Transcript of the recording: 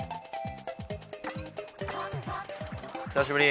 久しぶり！